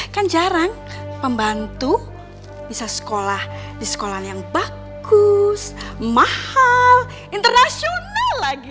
kan jarang pembantu bisa sekolah di sekolah yang bagus mahal internasional lagi